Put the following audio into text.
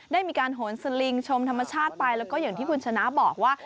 ได้มีการโหนสลิงชมธรรมชาติไปแล้วก็อย่างที่คุณชนะบอกว่า